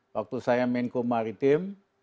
waktu saya main kumaritim